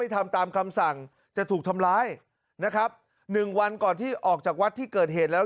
ทำตามคำสั่งจะถูกทำร้ายนะครับหนึ่งวันก่อนที่ออกจากวัดที่เกิดเหตุแล้ว